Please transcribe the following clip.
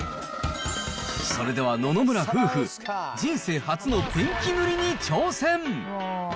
それでは、野々村夫婦、人生初のペンキ塗りに挑戦。